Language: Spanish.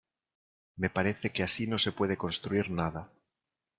Me parece que así no se puede construir nada.